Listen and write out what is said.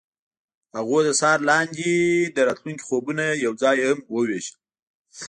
هغوی د سهار لاندې د راتلونکي خوبونه یوځای هم وویشل.